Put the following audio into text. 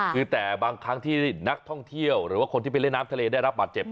คือแต่บางครั้งที่นักท่องเที่ยวหรือว่าคนที่ไปเล่นน้ำทะเลได้รับบาดเจ็บ